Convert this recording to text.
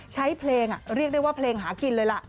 ใช้เพลงเรียกได้ว่าเพลงหากินเลยล่ะ